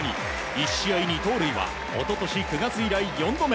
１試合２盗塁は一昨年９月以来４度目。